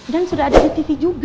dan sudah ada di tv juga